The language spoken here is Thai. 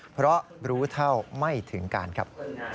เพราะรู้เท่าไม่ถึงการครับ